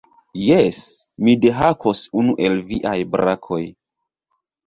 "Jes, mi dehakos unu el viaj brakoj."